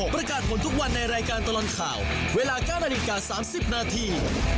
ประกาศผลทุกวันในรายการตลอดข่าวเวลา๙นาฬิกา๓๐นาที